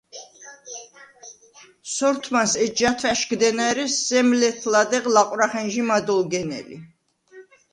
სორთმანს ეჯჟ’ ათვა̈შგდენა, ერე სემ ლეთ-ლადეღ ლაყვრახენჟი მად ოლგენელი.